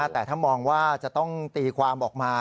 แต่ถ้ามองว่าจะต้องตีความออกมา